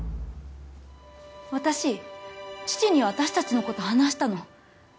私父に私たちのこと話したの。